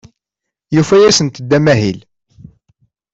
Yufa-asent-d amahil.